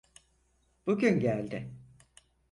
Bugün geldi.